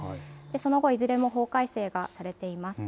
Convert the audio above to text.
その後、いずれも法改正がされています。